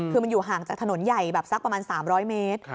คือมันอยู่ห่างจากถนนใหญ่แบบสักประมาณ๓๐๐เมตร